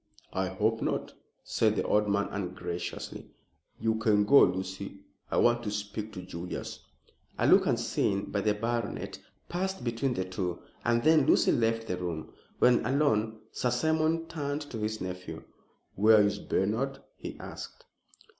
"I hope not," said the old man ungraciously. "You can go, Lucy. I want to speak to Julius." A look, unseen by the baronet, passed between the two, and then Lucy left the room. When alone, Sir Simon turned to his nephew. "Where is Bernard?" he asked.